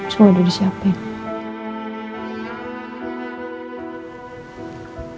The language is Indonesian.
terus gue udah disiapin